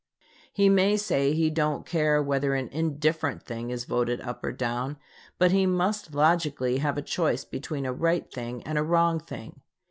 He may say he don't care whether an indifferent thing is voted up or down, but he must logically have a choice between a right thing and a wrong thing.